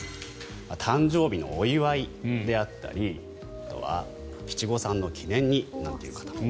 誕生日のお祝いであったりあとは七五三の記念になんていう方も。